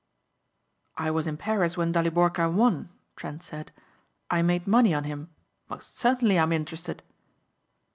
"I was in Paris when Daliborka won," Trent said. "I made money on him. Most certainly I'm interested."